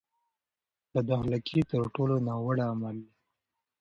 بد اخلاقي تر ټولو ناوړه عمل دی.